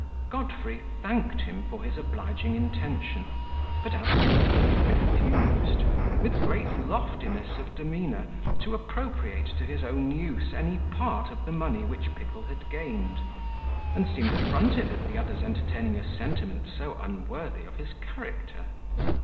Godfrey thanked him for his obliging intention, but absolutely refused, with great loftiness of demeanour, to appropriate to his own use any part of the money which Pickle had gained, and seemed affronted at the other's entertaining a sentiment so unworthy of his character.